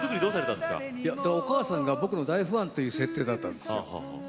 お母さんが僕の大ファンという設定でした。